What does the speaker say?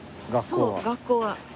そう学校は。